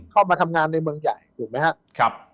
เข้ามาทำงานในเมืองใหญ่ถูกไหมครับ